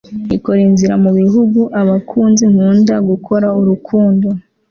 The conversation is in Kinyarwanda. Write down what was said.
ikora inzira mu bihuguabakunzi nkunda gukora urukundo